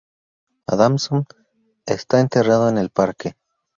Adamson está enterrado en el parque.